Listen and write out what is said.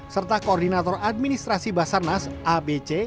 serta koordinator administrasi basar nas abc